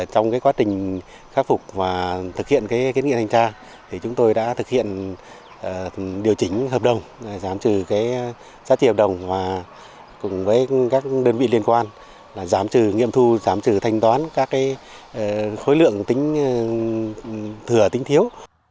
trong quá trình khắc phục và thực hiện kết nghiệm thanh tra chúng tôi đã thực hiện điều chỉnh hợp đồng giám trừ giá trị hợp đồng cùng với các đơn vị liên quan giám trừ nghiệm thu giám trừ thanh toán các khối lượng thừa tính thiếu